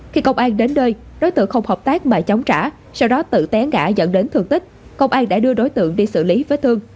khi công an đến đây đối tượng không hợp tác mà chóng trả sau đó tự té ngã dẫn đến thương tích công an đã đưa đối tượng đi xử lý vết thương